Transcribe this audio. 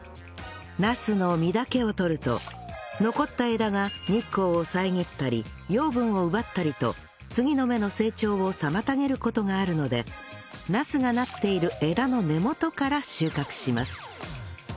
ナスの実だけをとると残った枝が日光を遮ったり養分を奪ったりと次の芽の成長を妨げる事があるのでナスがなっている枝の根元から収穫します